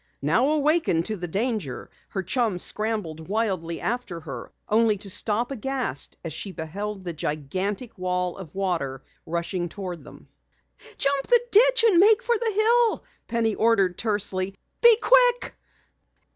Now awakened to danger, her chum scrambled wildly after her only to stop aghast as she beheld the gigantic wall of water rushing toward them. "Jump the ditch and make for the hill!" Penny ordered tersely. "Be quick!"